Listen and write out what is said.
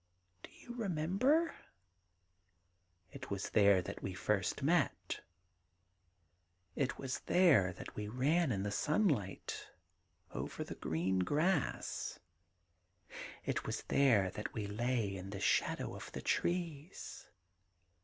... Do you remember ?'' It was there that we first met ?'' It was there that we ran in the sunlight over the green grass.' 'It was there that we lay in the shadow of the trees.'